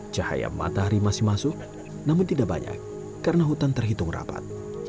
cahaya matahari masih masuk namun tidak banyak karena hutan terhitung rapat